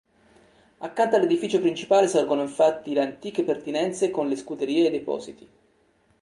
Accanto all’edificio principale sorgono infatti le antiche pertinenze con le scuderie e i depositi.